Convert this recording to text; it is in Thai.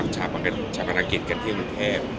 ชาปันกิจกันที่วุเทพ